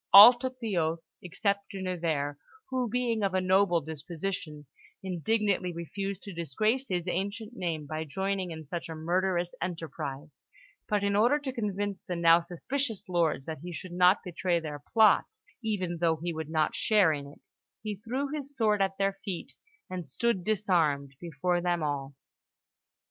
All took the oath except De Nevers, who, being of a noble disposition, indignantly refused to disgrace his ancient name by joining in such a murderous enterprise; but, in order to convince the now suspicious lords that he should not betray their plot, even though he would not share in it, he threw his sword at their feet and stood disarmed before them all.